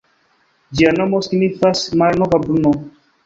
Ĝia nomo signifas "malnova Brno".